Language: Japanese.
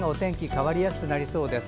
変わりやすくなりそうです。